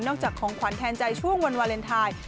จากของขวัญแทนใจช่วงวันวาเลนไทย